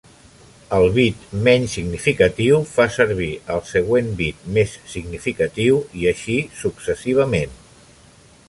El bit menys significatiu fa servir el següent bit més significatiu, i així successivament.